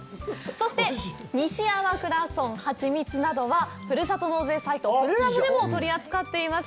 西粟倉村ハチミツなどはふるさと納税サイト「ふるラボ」でも取り扱っています。